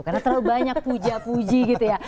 karena terlalu banyak puja puji gitu ya